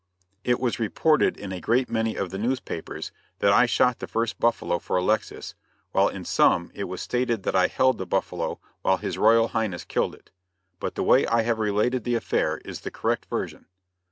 It was reported in a great many of the newspapers that I shot the first buffalo for Alexis, while in some it was stated that I held the buffalo while His Royal Highness killed it. But the way I have related the affair is the correct version.